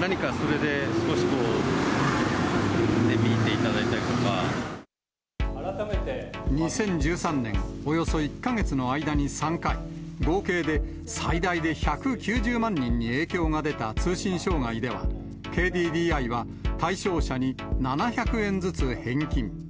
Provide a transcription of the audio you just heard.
何かそれで少しこう、２０１３年、およそ１か月の間に３回、合計で最大で１９０万人に影響が出た通信障害では、ＫＤＤＩは、対象者に７００円ずつ返金。